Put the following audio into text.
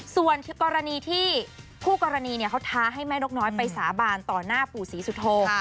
ส่วนกรณีที่คู่กรณีเขาท้าให้แม่นกน้อยไปสาบานต่อหน้าปู่ศรีสุโธ